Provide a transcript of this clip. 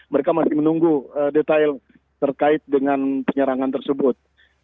mereka masih menunggu detail terkait dengan penyerangan tersebut